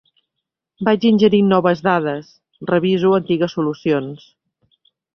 Vaig ingerint noves dades, reviso antigues solucions.